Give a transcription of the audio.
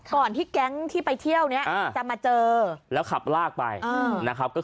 ก่อนที่แก๊งที่ไปเที่ยวนี้จะมาเจอแล้วขับลากไปนะครับ